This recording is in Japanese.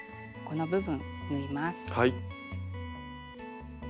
はい。